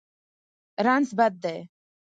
رنځ بد دی.